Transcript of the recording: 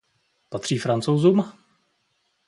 Patří Francouzům?